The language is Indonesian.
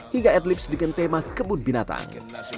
hingga ad libs dengan tema kebun binatang